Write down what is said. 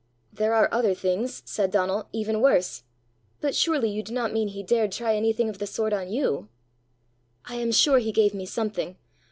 "There are other things," said Donal, "even worse! But surely you do not mean he dared try anything of the sort on you!" "I am sure he gave me something!